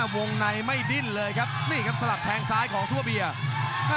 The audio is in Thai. วงในไม่ดิ้นเลยครับนี่ครับสลับแทงซ้ายของซัวเบียร์